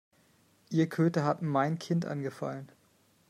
Ihr Köter hat mein Kind angefallen.